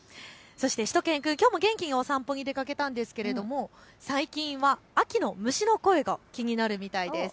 しゅと犬くん、きょうも元気にお散歩に出かけたんですが、最近は秋の虫の声が気になるみたいです。